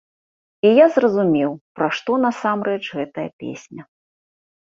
І я зразумеў, пра што насамрэч гэтая песня.